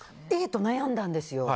Ａと悩んだんですよ。